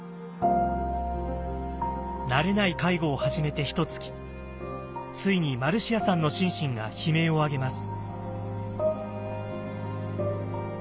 慣れない介護を始めてひとつきついにマルシアさんの心身が悲鳴をあげます。